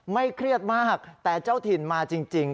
เครียดมากแต่เจ้าถิ่นมาจริง